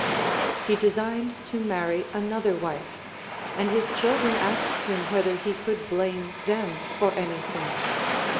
He designed to marry another wife, and his children asked him whether he could blame them for any thing.